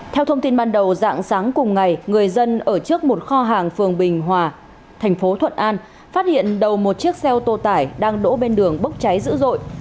theo thông tin ban đầu dạng sáng cùng ngày người dân ở trước một kho hàng phường bình hòa thành phố thuận an phát hiện đầu một chiếc xe ô tô tải đang đổ bên đường bốc cháy dữ dội